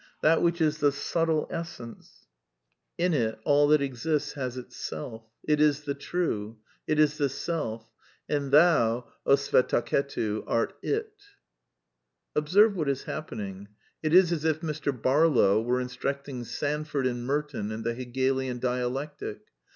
That which is the subtle essence, in it all that exists has its self. It is the True. It is die Self, and thou, O Svetaketu, art it/ "•• Observe what is happening. It is as if Mr. Barlow were instructing Sandf ord and Merton in the Hegelian Dialectic.